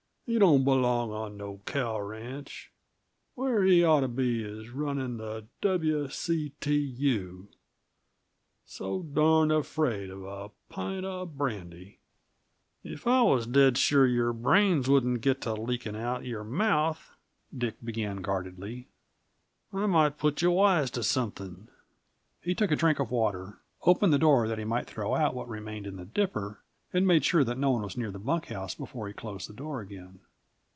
He don't belong on no cow ranch. Where he'd oughta be is runnin' the W.C.T.U. So darned afraid of a pint uh brandy " "If I was dead sure your brains wouldn't get to leaking out your mouth," Dick began guardedly, "I might put you wise to something." He took a drink of water, opened the door that he might throw out what remained in the dipper, and made sure that no one was near the bunk house before he closed the door again.